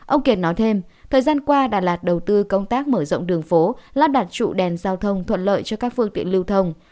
ông kiệt nói thêm thời gian qua đà lạt đầu tư công tác mở rộng đường phố lắp đặt trụ đèn giao thông thuận lợi cho các phương tiện lưu thông